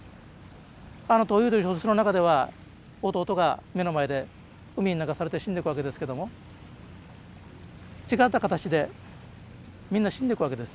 あの「闘魚」という小説の中では弟が目の前で海に流されて死んでいくわけですけども違った形でみんな死んでくわけですよ。